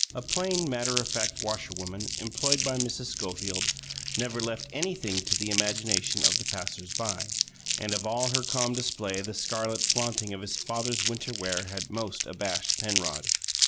A plain, matter of fact washerwoman' employed by Mrs. Schofield, never left anything to the imagination of the passer by; and of all her calm display the scarlet flaunting of his father's winter wear had most abashed Penrod.